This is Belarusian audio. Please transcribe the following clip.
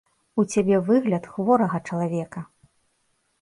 У цябе выгляд хворага чалавека!